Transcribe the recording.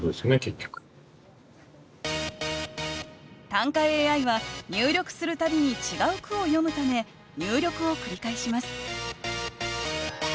短歌ＡＩは入力する度に違う句を詠むため入力を繰り返します